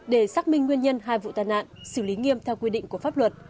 để xác minh nguyên nhân hai vụ tai nạn xử lý nghiêm theo quy định của pháp luật